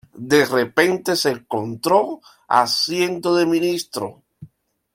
De repente se encontró haciendo de ministro.